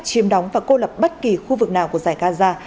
chiêm đóng và cô lập bất kỳ khu vực nào của giải gaza